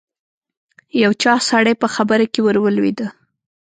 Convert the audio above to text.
یو چاغ سړی په خبره کې ور ولوېد.